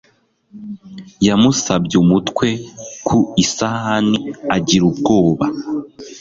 Yamusabye umutwe ku isahani agira ubwoba